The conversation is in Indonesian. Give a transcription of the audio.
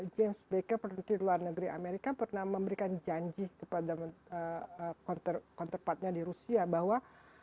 james baker perintil luar negeri amerika pernah memberikan janji kepada counterpart nya di rusia bahwa